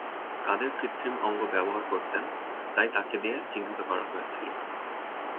কাদের কৃত্রিম অঙ্গ ব্যবহার করতেন, তাই দিয়ে তাঁকে চিহ্নিত করা হয়েছিল।